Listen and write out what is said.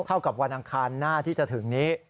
เท่ากับวันอังคารหน้าที่จะถึงนี้